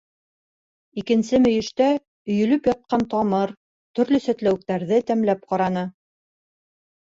Икенсе мөйөштә өйөлөп ятҡан тамыр, төрлө сәтләүектәрҙе тәмләп ҡараны.